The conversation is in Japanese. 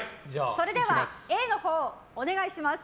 それでは、Ａのほうお願いします。